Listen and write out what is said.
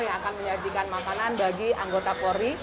yang akan menyajikan makanan bagi anggota polri